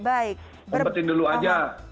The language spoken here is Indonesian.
umpetin dulu aja